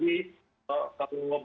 yang diciptakan oleh